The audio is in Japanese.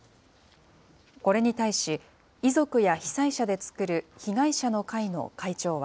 これに対し、遺族や被災者で作る被害者の会の会長は。